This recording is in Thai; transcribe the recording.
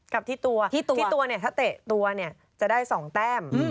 กับที่ตัวที่ตัวเนี่ยถ้าเตะตัวเนี่ยจะได้๒แต้ม